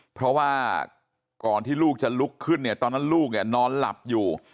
เพราะว่าก่อนที่ลูกจะลุกขึ้นเนี่ยตอนนั้นลูกเนี่ยนอนหลับอยู่